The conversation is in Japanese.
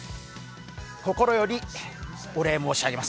心よりお礼申し上げます。